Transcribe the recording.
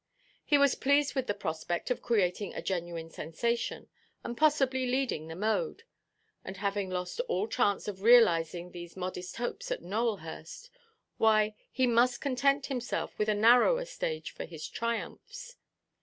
He was pleased with the prospect of creating a genuine sensation, and possibly leading the mode; and having lost all chance of realizing these modest hopes at Nowelhurst, why, he must content himself with a narrower stage for his triumphs.